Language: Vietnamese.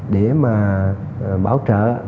để mà bảo trợ